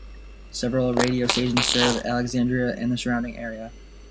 Several radio stations serve Alexandria and the surrounding area.